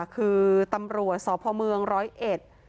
คือตำรวจสอบภอมืองร้อยเอช